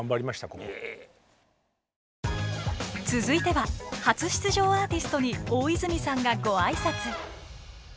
続いては初出場アーティストに大泉さんがごあいさつ。